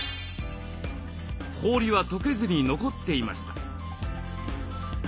氷はとけずに残っていました。